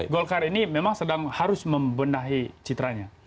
golkar ini memang sedang harus membenahi citranya